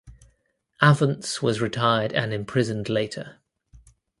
Avants was retried and imprisoned later.